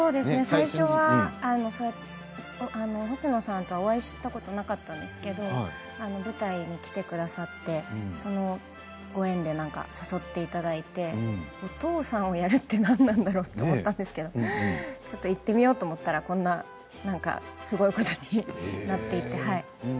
最初は星野さんとお会いしたことなかったんですけど舞台に来てくださってそのご縁で誘っていただいてお父さんをやるって何なんだろうと思ったんですけどちょっと行ってみようと思ったらこんなすごいことになっていて。